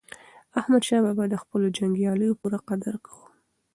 احمدشاه بابا د خپلو جنګیالیو پوره قدر کاوه.